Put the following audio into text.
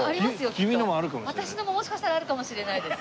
私のももしかしたらあるかもしれないです。